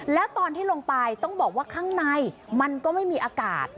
แล้วตอนที่ลงไปต้องบอกว่าข้างในมันก็ไม่มีอากาศ